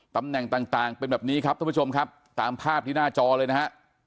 ตำแหน่งต่างเป็นแบบนี้ครับท่านผู้ชมครับตามภาพที่หน้าจอเลยนะฮะ